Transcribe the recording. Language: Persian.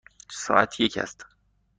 ساعت یک است.